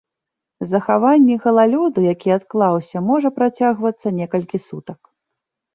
Захаванне галалёду, які адклаўся, можа працягвацца некалькі сутак.